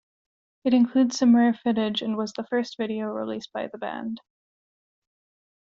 It includes some rare footage, and was the first video released by the band.